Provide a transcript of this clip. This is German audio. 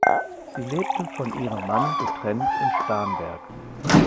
Sie lebte von ihrem Mann getrennt in Starnberg.